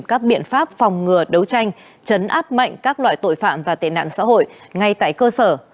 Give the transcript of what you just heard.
các biện pháp phòng ngừa đấu tranh chấn áp mạnh các loại tội phạm và tệ nạn xã hội ngay tại cơ sở